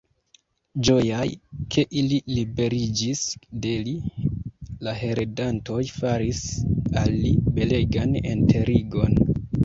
Ĝojaj, ke ili liberiĝis de li, la heredantoj faris al li belegan enterigon.